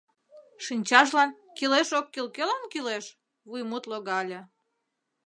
Шинчажлан «Кӱлеш-оккӱл кӧлан кӱлеш?» вуймут логале.